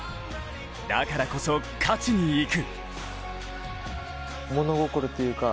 だからこそ、勝ちに行く。